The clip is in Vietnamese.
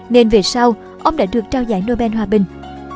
nên về sau ông đã được trao giải nobel hòa bình